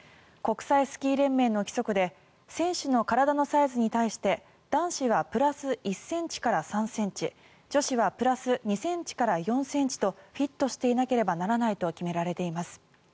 国際スキー連盟の規則で選手の体のサイズに対して男子はプラス１ｃｍから３ｃｍ女子はプラス２ｃｍから４ｃｍとフィットしていなければならないと決められています。